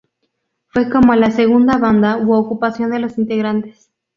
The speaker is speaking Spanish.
Fue como la "segunda banda" u ocupación de los integrantes.